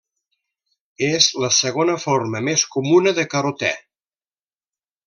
És la segona forma més comuna de carotè.